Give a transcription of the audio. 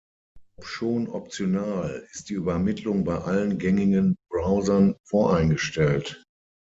Obschon optional, ist die Übermittlung bei allen gängigen Browsern voreingestellt.